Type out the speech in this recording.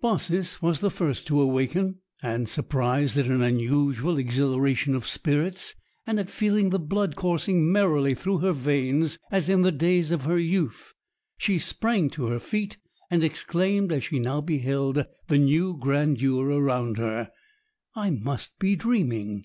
Baucis was the first to awaken; and, surprised at an unusual exhilaration of spirits, and at feeling the blood coursing merrily through her veins as in the days of her youth, she sprang to her feet and exclaimed as she now beheld the new grandeur around her, "I must be dreaming!"